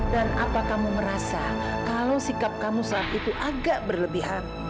dan apa kamu merasa kalau sikap kamu saat itu agak berlebihan